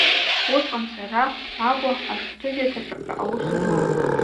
Усҟан сара Аҟәа ашәҟәҭыжьырҭаҿы аус зуан.